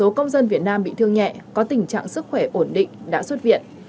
số công dân việt nam bị thương nhẹ có tình trạng sức khỏe ổn định đã xuất viện